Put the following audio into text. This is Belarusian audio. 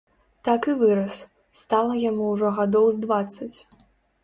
Так і вырас, стала яму ўжо гадоў з дваццаць.